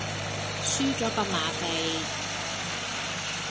輸左個馬鼻